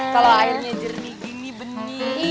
kalau airnya jernih gini benih